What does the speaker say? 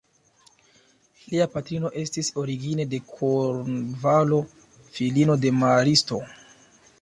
Lia patrino estis origine de Kornvalo, filino de maristo.